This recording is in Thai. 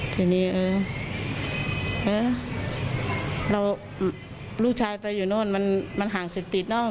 ทีนี้เออเราลูกชายไปอยู่โน่นมันห่างเสพติดเนอะ